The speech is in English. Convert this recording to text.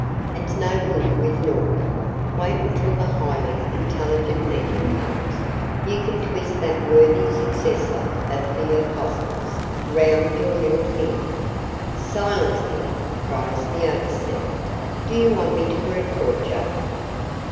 "It's no good with North. Wait until the highly intelligent Meekin comes. You can twist that worthy successor of the Apostles round your little finger!" "Silence there!" cries the overseer. "Do you want me to report yer?"